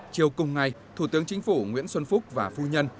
chiều cùng ngày thủ tướng chính phủ nguyễn xuân phúc và phu nhân